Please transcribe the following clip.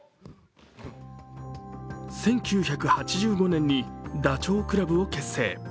１９８５年にダチョウ倶楽部を結成。